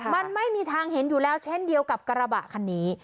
มันไม่มีทางเห็นอยู่แล้วเช่นเดียวกับกระบะคันนี้